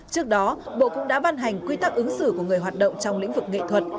trước đó bộ cũng đã ban hành quy tắc ứng xử của người hoạt động trong lĩnh vực nghệ thuật